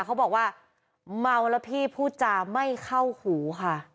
เขาบอกว่าเมาแล้วพี่พูดจาไม่เข้าหูค่ะ